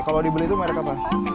kalau dibeli itu merek apa